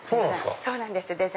そうなんですか？